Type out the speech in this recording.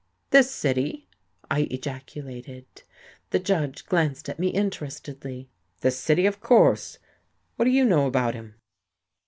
"This city?" I ejaculated. The Judge glanced at me interestedly. "This city, of course. What do you know about him?"